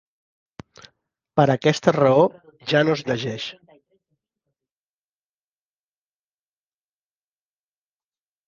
Per aquesta raó ja no es llegeix.